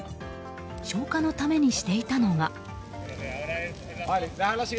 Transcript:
消火のためにしていたのが。